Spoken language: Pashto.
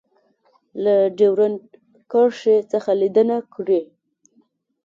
له ډیورنډ کرښې څخه لیدنه کړې